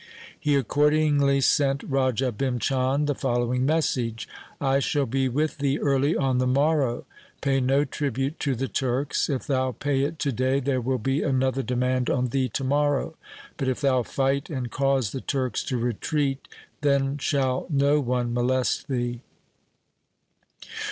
He accordingly sent Raja Bhim Chand the following message, ' I shall be with thee early on the morrow. Pay no tribute to the Turks. If thou pay it to day, there will be another demand on thee to morrow. But if thou fight and cause the Turks to retreat, then shall no one molest thee.'